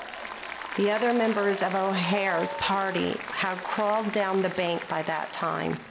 The other members of O'Hara's party had crawled down the bank by that time.